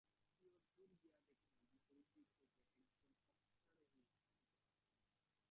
কিয়দ্দূর গিয়া দেখিলেন, বিপরীত দিক হইতে একজন অশ্বারােহী আসিতেছে।